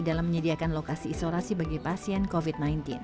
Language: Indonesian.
dalam menyediakan lokasi isolasi bagi pasien covid sembilan belas